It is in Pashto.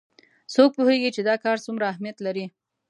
څوک پوهیږي چې دا کار څومره اهمیت لري